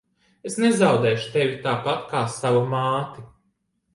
Es nezaudēšu tevi tāpat kā savu māti.